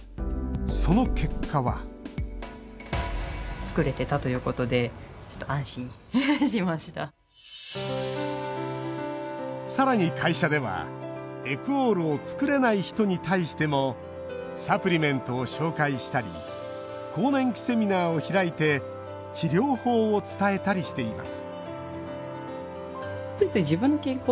その結果はさらに会社ではエクオールを作れない人に対してもサプリメントを紹介したり更年期セミナーを開いて治療法を伝えたりしています